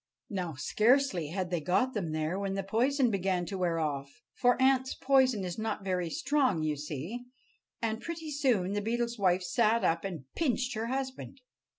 Now, scarcely had they got them there when the poison began to wear off—for ants' poison is not very strong, you see—and pretty soon the Beetle's wife sat up and pinched her husband.